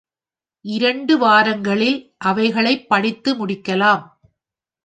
இரண்டு வாரங்களில் அவைகளைப் படித்து முடிக்கலாம்.